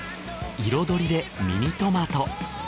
彩りでミニトマト。